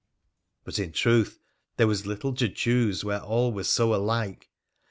But, in truth, there was little to choose where all was so alike.